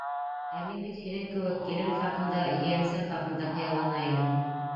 Ә мин бит һинең кеүек килен хаҡында, ейәнсәр хаҡында хыяллана инем...